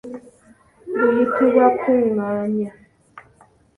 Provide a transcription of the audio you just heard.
Luyitibwa Kungaanya.